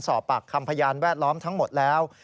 สอบปากคำพยานแวดล้อมทั้งหมดแล้ว